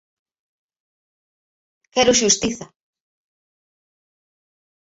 Quero xustiza.